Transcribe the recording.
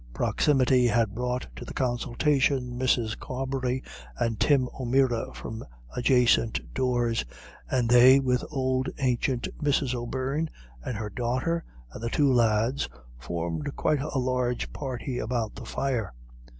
Proximity had brought to the consultation Mrs. Carbery and Tim O'Meara from adjacent doors; and they, with old ancient Mrs. O'Beirne and her daughter and the two lads, formed quite a large party about the fire.